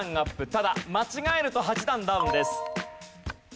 ただ間違えると８段ダウンです。